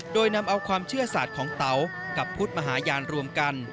โดยนำเอาความเชื่อศาสตร์ของเตากับพุทธมหาญาณรวมกัน